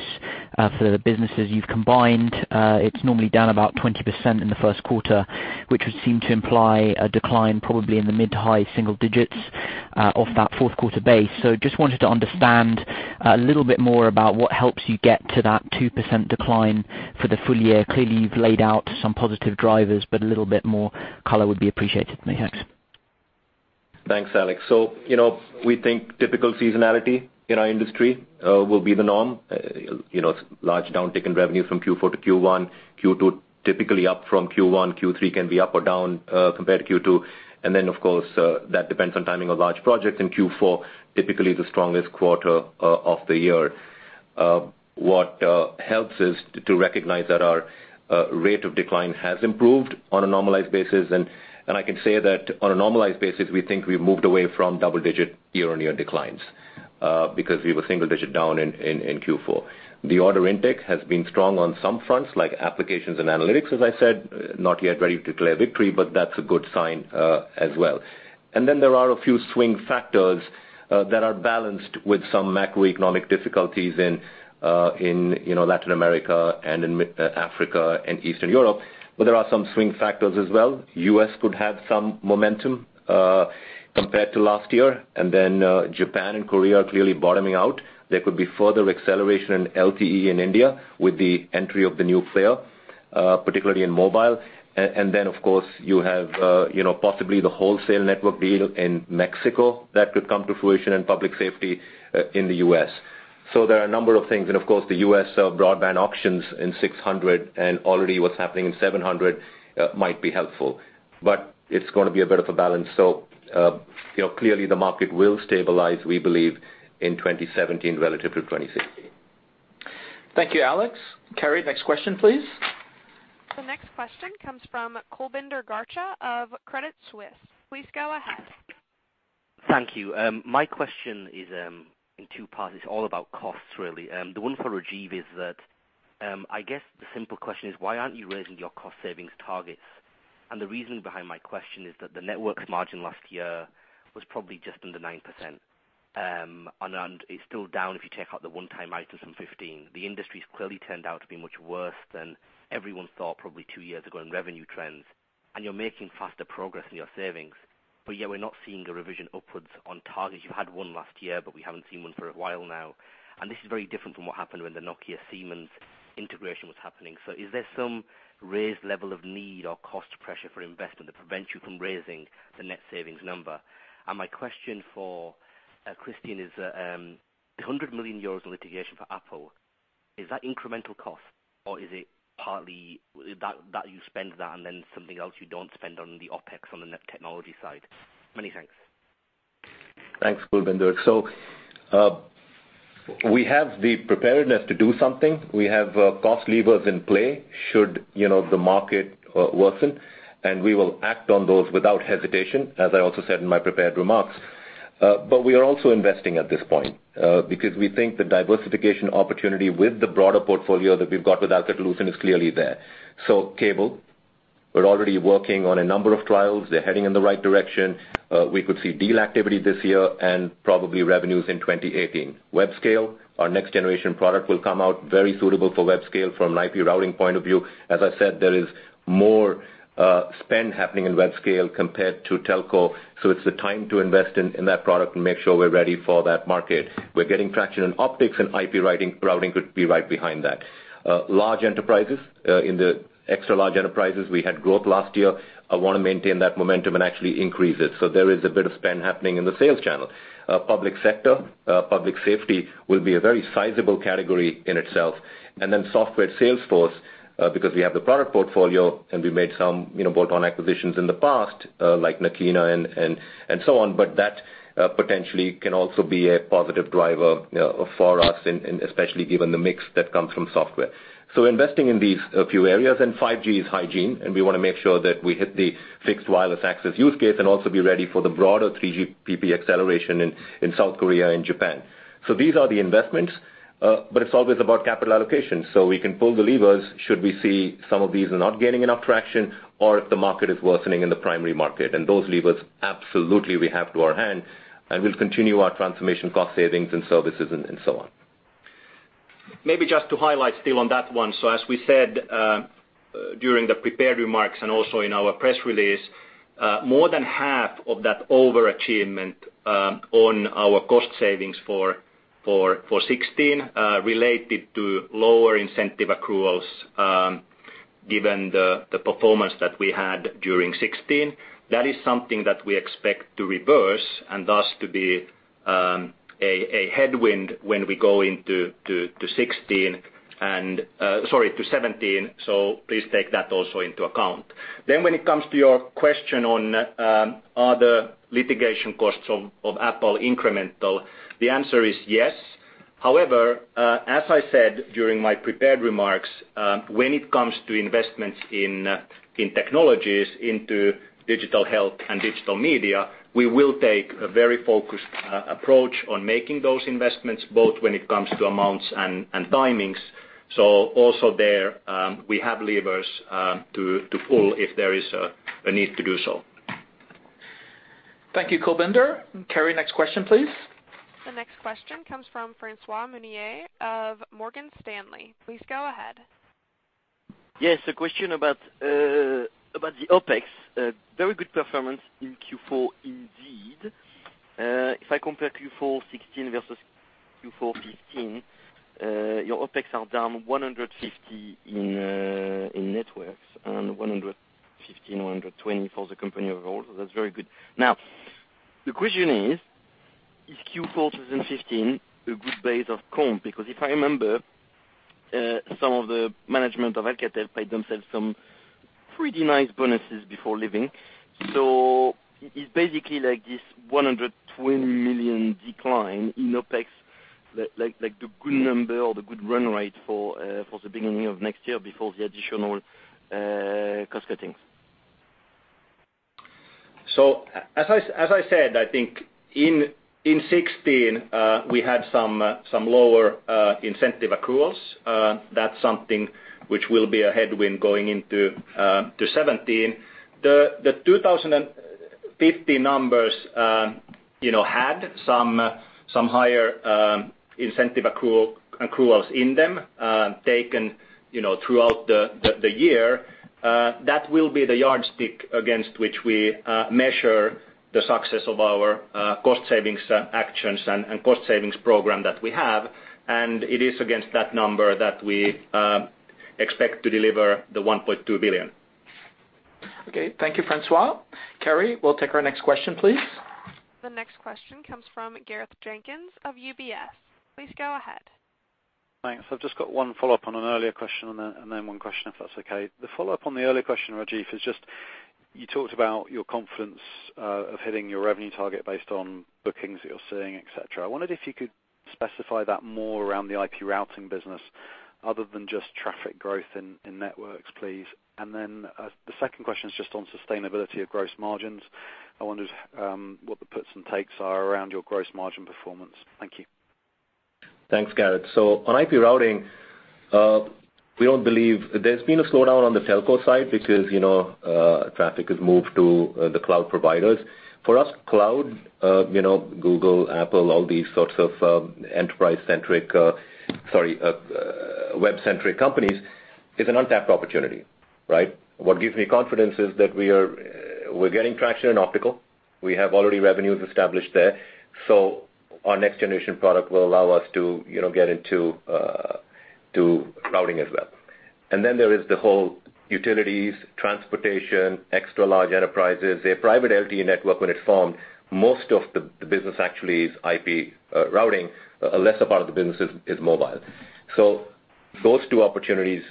Speaker 6: for the businesses you've combined, it's normally down about 20% in the first quarter, which would seem to imply a decline probably in the mid-high single digits off that fourth quarter base. Just wanted to understand a little bit more about what helps you get to that 2% decline for the full year. Clearly, you've laid out some positive drivers, a little bit more color would be appreciated from me. Thanks.
Speaker 4: Thanks, Alex. We think typical seasonality in our industry will be the norm. Large downtick in revenue from Q4 to Q1. Q2 typically up from Q1. Q3 can be up or down compared to Q2. Of course, that depends on timing of large projects in Q4, typically the strongest quarter of the year. What helps is to recognize that our rate of decline has improved on a normalized basis, and I can say that on a normalized basis, we think we've moved away from double digit year-on-year declines because we were single digit down in Q4. The order intake has been strong on some fronts, like Applications & Analytics, as I said. Not yet ready to declare victory, that's a good sign as well. There are a few swing factors that are balanced with some macroeconomic difficulties in Latin America and in Africa and Eastern Europe. There are some swing factors as well. U.S. could have some momentum compared to last year, Japan and Korea are clearly bottoming out. There could be further acceleration in LTE in India with the entry of the new player.
Speaker 3: Particularly in mobile. Of course, you have possibly the wholesale network deal in Mexico that could come to fruition in public safety in the U.S. There are a number of things and of course the U.S. broadband auctions in 600 and already what's happening in 700 might be helpful, but it's going to be a bit of a balance. Clearly the market will stabilize, we believe, in 2017 relative to 2016.
Speaker 2: Thank you, Alex. Carrie, next question, please.
Speaker 1: The next question comes from Kulbinder Garcha of Credit Suisse. Please go ahead.
Speaker 7: Thank you. My question is in two parts. It's all about costs, really. The one for Rajeev is that, I guess the simple question is why aren't you raising your cost savings targets? The reason behind my question is that the network margin last year was probably just under 9%, and it's still down if you take out the one-time items from 2015. The industry's clearly turned out to be much worse than everyone thought, probably two years ago in revenue trends. You're making faster progress in your savings. Yet we're not seeing a revision upwards on targets. You had one last year, but we haven't seen one for a while now. This is very different from what happened when the Nokia Siemens integration was happening. Is there some raised level of need or cost pressure for investment that prevents you from raising the net savings number? My question for Kristian is, the 100 million euros in litigation for Apple, is that incremental cost or is it partly that you spend that and then something else you don't spend on the OpEx on the net technology side? Many thanks.
Speaker 3: Thanks, Kulbinder. We have the preparedness to do something. We have cost levers in play should the market worsen, and we will act on those without hesitation, as I also said in my prepared remarks. We are also investing at this point, because we think the diversification opportunity with the broader portfolio that we've got with Alcatel-Lucent is clearly there. Cable, we're already working on a number of trials. They're heading in the right direction. We could see deal activity this year and probably revenues in 2018. Webscale, our next generation product will come out very suitable for Webscale from an IP routing point of view. As I said, there is more spend happening in Webscale compared to telco. It's the time to invest in that product and make sure we're ready for that market. We're getting traction on optics and IP routing could be right behind that. Large enterprises, in the extra large enterprises, we had growth last year. I want to maintain that momentum and actually increase it. There is a bit of spend happening in the sales channel. Public sector, public safety will be a very sizable category in itself. Then software sales force, because we have the product portfolio and we made some bolt-on acquisitions in the past, like Nakina Systems and so on, but that potentially can also be a positive driver for us, and especially given the mix that comes from software. Investing in these few areas and 5G is hygiene, and we want to make sure that we hit the fixed wireless access use case and also be ready for the broader 3GPP acceleration in South Korea and Japan. These are the investments, but it's always about capital allocation. We can pull the levers should we see some of these not gaining enough traction or if the market is worsening in the primary market. Those levers absolutely we have to our hand, and we'll continue our transformation cost savings and services and so on.
Speaker 4: As we said, during the prepared remarks and also in our press release, more than half of that overachievement on our cost savings for 2016, related to lower incentive accruals, given the performance that we had during 2016. That is something that we expect to reverse and thus to be a headwind when we go into 2016 and, sorry, to 2017. Please take that also into account. When it comes to your question on are the litigation costs of Apple incremental? The answer is yes. However, as I said during my prepared remarks, when it comes to investments in technologies into digital health and digital media, we will take a very focused approach on making those investments, both when it comes to amounts and timings. Also there, we have levers to pull if there is a need to do so.
Speaker 2: Thank you, Kulbinder. Carrie, next question, please.
Speaker 1: The next question comes from Francois Meunier of Morgan Stanley. Please go ahead.
Speaker 8: Yes, a question about the OpEx. Very good performance in Q4, indeed. If I compare Q4 2016 versus Q4 2015, your OpEx are down 150 million in networks and 115 million, 120 million for the company overall. That's very good. Now, the question is Q4 2015 a good base of comp? Because if I remember, some of the management of Alcatel paid themselves some pretty nice bonuses before leaving. It's basically like this 120 million decline in OpEx, like the good number or the good run rate for the beginning of next year before the additional cost cutting.
Speaker 4: As I said, I think in 2016, we had some lower incentive accruals. That's something which will be a headwind going into 2017. The 2015 numbers had some higher incentive accruals in them, taken throughout the year. That will be the yardstick against which we measure the success of our cost savings actions and cost savings program that we have. It is against that number that we expect to deliver the $1.2 billion.
Speaker 2: Thank you, Francois. Carrie, we'll take our next question, please.
Speaker 1: The next question comes from Gareth Jenkins of UBS. Please go ahead.
Speaker 9: Thanks. I've just got one follow-up on an earlier question, and then one question, if that's okay. The follow-up on the earlier question, Rajeev, is just you talked about your confidence of hitting your revenue target based on bookings that you're seeing, et cetera. I wondered if you could specify that more around the IP routing business other than just traffic growth in networks, please. Then the second question is just on sustainability of gross margins. I wondered what the puts and takes are around your gross margin performance. Thank you.
Speaker 3: Thanks, Gareth. On IP routing, there's been a slowdown on the telco side because traffic has moved to the cloud providers. For us, cloud, Google, Apple, all these sorts of web-centric companies, is an untapped opportunity, right? What gives me confidence is that we're getting traction in optical. We have already revenues established there. Our next generation product will allow us to get into routing as well. There is the whole utilities, transportation, extra large enterprises. A private LTE network, when it's formed, most of the business actually is IP routing. A lesser part of the business is mobile. Those two opportunities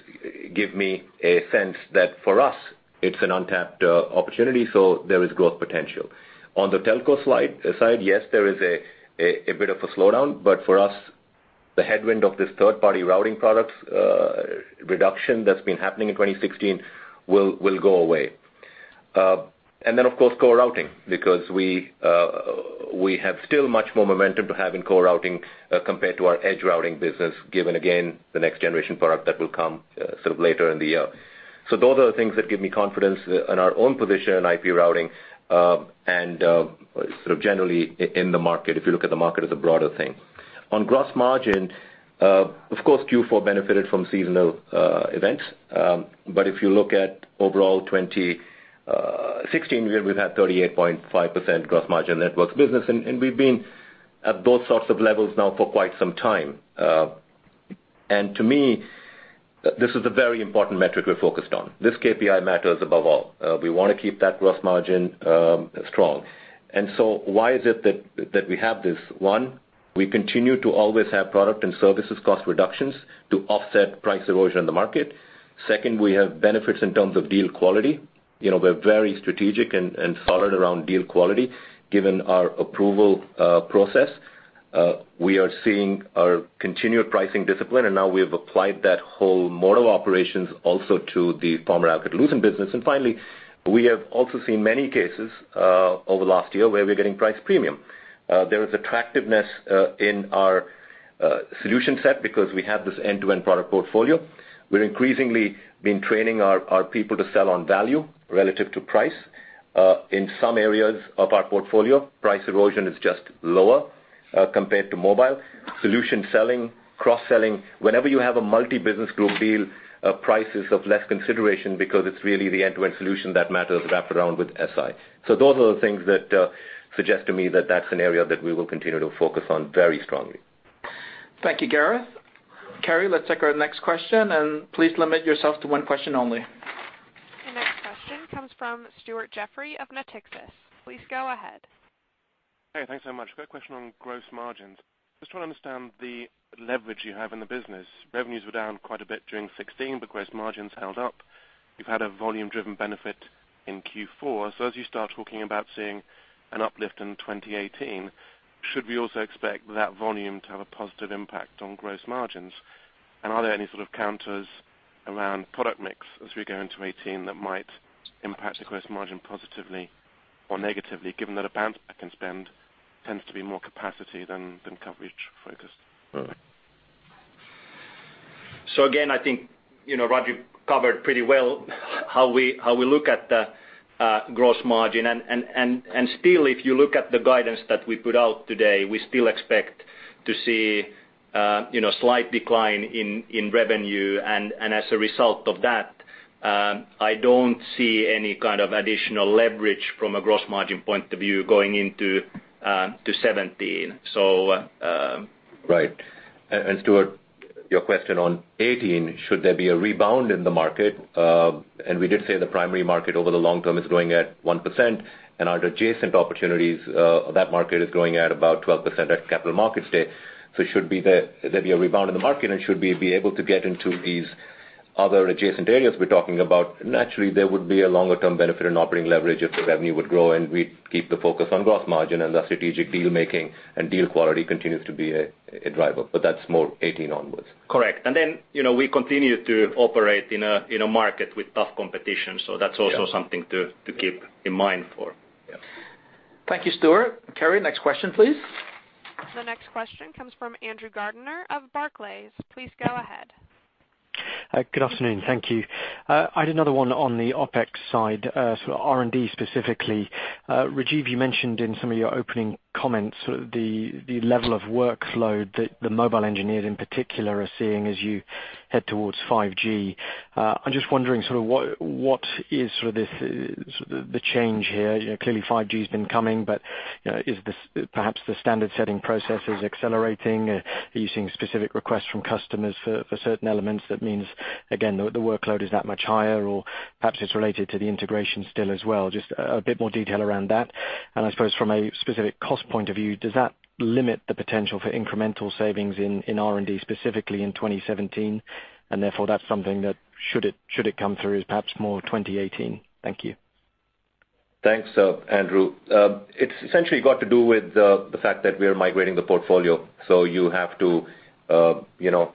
Speaker 3: give me a sense that for us, it's an untapped opportunity, there is growth potential. On the telco side, yes, there is a bit of a slowdown, but for us, the headwind of this third-party routing products reduction that's been happening in 2016 will go away. Of course, core routing, because we have still much more momentum to have in core routing compared to our edge routing business, given, again, the next generation product that will come sort of later in the year. Those are the things that give me confidence in our own position in IP routing, and sort of generally in the market, if you look at the market as a broader thing. On gross margin, of course, Q4 benefited from seasonal events. If you look at overall 2016, we've had 38.5% gross margin networks business, and we've been at those sorts of levels now for quite some time. To me, this is a very important metric we're focused on. This KPI matters above all. We want to keep that gross margin strong. Why is it that we have this? One, we continue to always have product and services cost reductions to offset price erosion in the market. Second, we have benefits in terms of deal quality. We're very strategic and solid around deal quality, given our approval process. We are seeing our continued pricing discipline, and now we have applied that whole model operations also to the former Alcatel-Lucent business. Finally, we have also seen many cases over last year where we're getting price premium. There is attractiveness in our solution set because we have this end-to-end product portfolio. We're increasingly been training our people to sell on value relative to price. In some areas of our portfolio, price erosion is just lower compared to mobile. Solution selling, cross-selling, whenever you have a multi-business group deal, price is of less consideration because it's really the end-to-end solution that matters wrapped around with SI. Those are the things that suggest to me that that's an area that we will continue to focus on very strongly.
Speaker 2: Thank you, Gareth. Carrie, let's take our next question, please limit yourself to one question only.
Speaker 1: The next question comes from Stuart Jeffrey of Natixis. Please go ahead.
Speaker 10: Hey, thanks so much. Got a question on gross margins. Just want to understand the leverage you have in the business. Revenues were down quite a bit during 2016, but gross margins held up. You've had a volume-driven benefit in Q4. As you start talking about seeing an uplift in 2018, should we also expect that volume to have a positive impact on gross margins? Are there any sort of counters around product mix as we go into 2018 that might impact the gross margin positively or negatively, given that a bounce-back in spend tends to be more capacity than coverage focused?
Speaker 4: Again, I think Rajeev covered pretty well how we look at the gross margin. Still, if you look at the guidance that we put out today, we still expect to see slight decline in revenue. As a result of that, I don't see any kind of additional leverage from a gross margin point of view going into 2017.
Speaker 3: Right. Stuart, your question on 2018, should there be a rebound in the market? We did say the primary market over the long term is growing at 1%, and our adjacent opportunities, that market is growing at about 12% at Capital Markets Day. Should there be a rebound in the market and should we be able to get into these other adjacent areas we're talking about, naturally, there would be a longer-term benefit in operating leverage if the revenue would grow and we keep the focus on gross margin and the strategic deal making and deal quality continues to be a driver. That's more 2018 onwards.
Speaker 4: Correct. We continue to operate in a market with tough competition, so that's also something to keep in mind for.
Speaker 3: Yeah.
Speaker 2: Thank you, Stuart. Carrie, next question, please.
Speaker 1: The next question comes from Andrew Gardiner of Barclays. Please go ahead.
Speaker 11: Good afternoon. Thank you. I had another one on the OpEx side, sort of R&D specifically. Rajeev, you mentioned in some of your opening comments, sort of the level of workload that the mobile engineers in particular are seeing as you head towards 5G. I'm just wondering what is the change here? Clearly 5G has been coming, but is perhaps the standard-setting processes accelerating? Are you seeing specific requests from customers for certain elements that means, again, the workload is that much higher? Or perhaps it's related to the integration still as well. Just a bit more detail around that. I suppose from a specific cost point of view, does that limit the potential for incremental savings in R&D, specifically in 2017? Therefore that's something that should it come through, is perhaps more 2018. Thank you.
Speaker 3: Thanks, Andrew. It's essentially got to do with the fact that we are migrating the portfolio, so you have to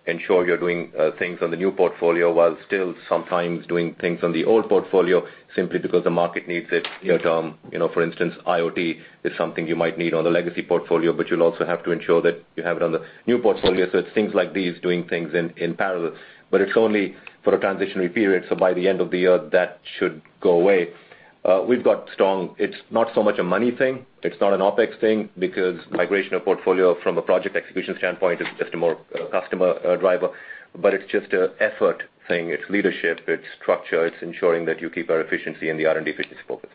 Speaker 3: ensure you're doing things on the new portfolio while still sometimes doing things on the old portfolio simply because the market needs it near-term. For instance, IoT is something you might need on the legacy portfolio, but you'll also have to ensure that you have it on the new portfolio. It's things like these, doing things in parallel. It's only for a transitionary period, so by the end of the year, that should go away. It's not so much a money thing, it's not an OpEx thing, because migration of portfolio from a project execution standpoint is just a more customer driver, but it's just a effort thing. It's leadership, it's structure, it's ensuring that you keep our efficiency and the R&D efficiency focused.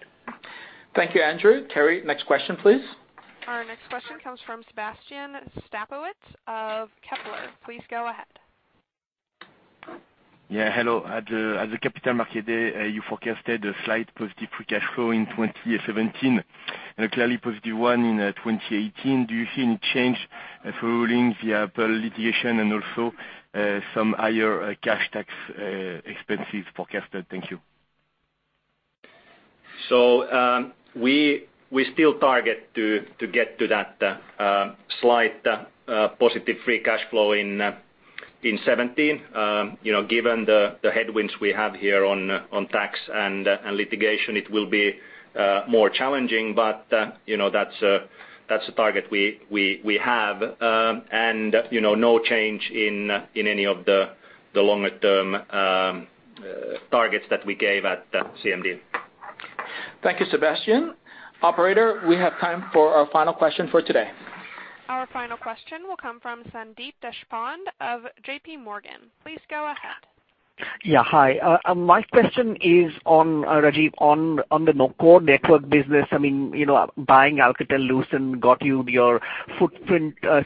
Speaker 2: Thank you, Andrew. Carrie, next question, please.
Speaker 1: Our next question comes from Sebastien Sztabowicz of Kepler. Please go ahead.
Speaker 12: Hello. At the Capital Markets Day, you forecasted a slight positive free cash flow in 2017, and a clearly positive one in 2018. Do you see any change following the Apple litigation and also some higher cash tax expenses forecasted? Thank you.
Speaker 4: We still target to get to that slight positive free cash flow in 2017. Given the headwinds we have here on tax and litigation, it will be more challenging, but that's the target we have. No change in any of the longer-term targets that we gave at CMD.
Speaker 2: Thank you, Sebastien. Operator, we have time for our final question for today.
Speaker 1: Our final question will come from Sandeep Deshpande of JP Morgan. Please go ahead.
Speaker 13: Yeah. Hi, my question is on, Rajeev, on the core network business. Buying Alcatel-Lucent got you your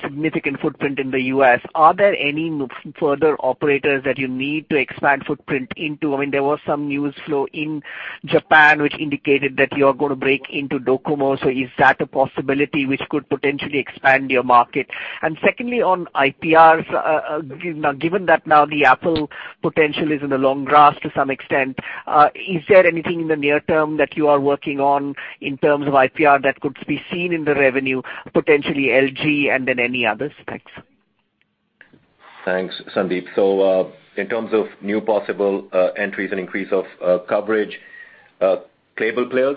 Speaker 13: significant footprint in the U.S. Are there any further operators that you need to expand footprint into? There was some news flow in Japan which indicated that you're going to break into Docomo. Is that a possibility which could potentially expand your market? Secondly, on IPRs, given that now the Apple potential is in the long grass to some extent, is there anything in the near term that you are working on in terms of IPR that could be seen in the revenue, potentially LG and then any others? Thanks.
Speaker 3: Thanks, Sandeep. In terms of new possible entries and increase of coverage, cable players.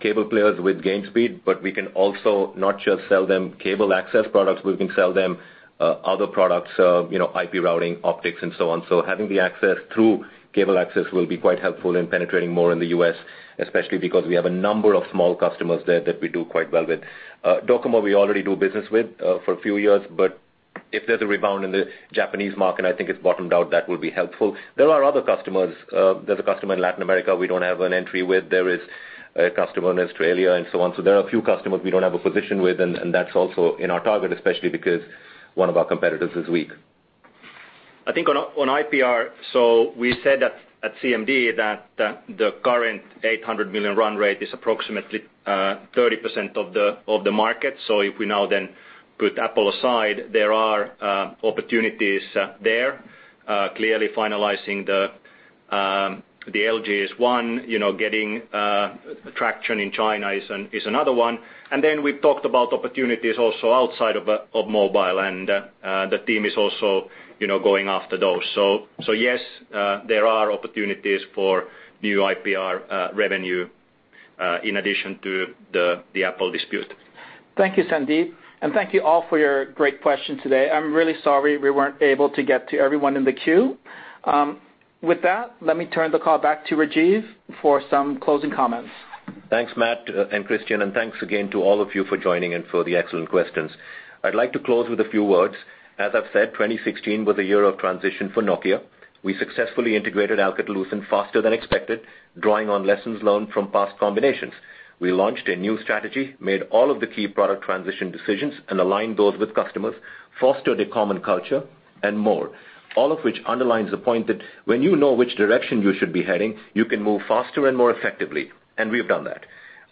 Speaker 3: Cable players with Gainspeed, but we can also not just sell them cable access products, we can sell them other products, IP routing, optics, and so on. Having the access through cable access will be quite helpful in penetrating more in the U.S., especially because we have a number of small customers there that we do quite well with. Docomo we already do business with for a few years, but if there's a rebound in the Japanese market, I think it's bottomed out, that will be helpful. There are other customers. There's a customer in Latin America we don't have an entry with. There is a customer in Australia and so on. There are a few customers we don't have a position with, and that's also in our target, especially because one of our competitors is weak.
Speaker 4: I think on IPR, so we said at CMD that the current 800 million run rate is approximately 30% of the market. If we now then put Apple aside, there are opportunities there. Clearly finalizing the LG is one, getting traction in China is another one. Then we've talked about opportunities also outside of mobile, and the team is also going after those. Yes, there are opportunities for new IPR revenue, in addition to the Apple dispute.
Speaker 2: Thank you, Sandeep. Thank you all for your great questions today. I'm really sorry we weren't able to get to everyone in the queue. With that, let me turn the call back to Rajeev for some closing comments.
Speaker 3: Thanks, Matt and Kristian, and thanks again to all of you for joining and for the excellent questions. I'd like to close with a few words. As I've said, 2016 was a year of transition for Nokia. We successfully integrated Alcatel-Lucent faster than expected, drawing on lessons learned from past combinations. We launched a new strategy, made all of the key product transition decisions, and aligned those with customers, fostered a common culture, and more. All of which underlines the point that when you know which direction you should be heading, you can move faster and more effectively, and we've done that.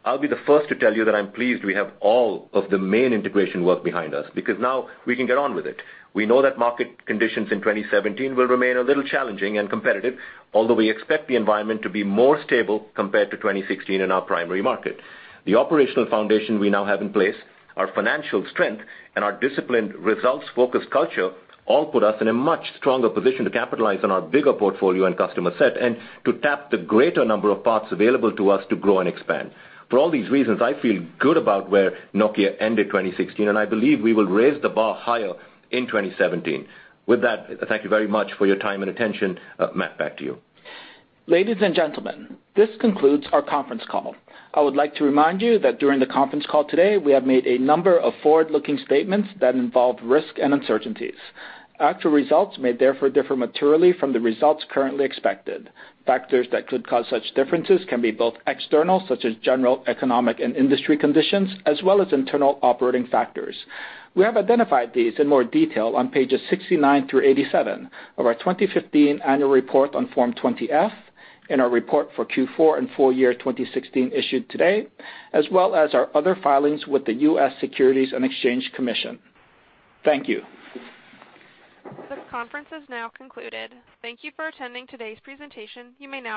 Speaker 3: I'll be the first to tell you that I'm pleased we have all of the main integration work behind us, because now we can get on with it. We know that market conditions in 2017 will remain a little challenging and competitive, although we expect the environment to be more stable compared to 2016 in our primary market. The operational foundation we now have in place, our financial strength, and our disciplined results-focused culture all put us in a much stronger position to capitalize on our bigger portfolio and customer set, and to tap the greater number of paths available to us to grow and expand. For all these reasons, I feel good about where Nokia ended 2016. I believe we will raise the bar higher in 2017. With that, thank you very much for your time and attention. Matt, back to you.
Speaker 2: Ladies and gentlemen, this concludes our conference call. I would like to remind you that during the conference call today, we have made a number of forward-looking statements that involve risk and uncertainties. Actual results may therefore differ materially from the results currently expected. Factors that could cause such differences can be both external, such as general economic and industry conditions, as well as internal operating factors. We have identified these in more detail on pages 69 through 87 of our 2015 annual report on Form 20-F, in our report for Q4 and full year 2016 issued today, as well as our other filings with the U.S. Securities and Exchange Commission. Thank you.
Speaker 1: This conference is now concluded. Thank you for attending today's presentation. You may now disconnect.